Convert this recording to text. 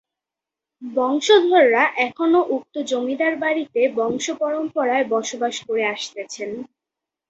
বংশধররা এখনো উক্ত জমিদার বাড়িতে বংশ পরামপণায় বসবাস করে আসতেছেন।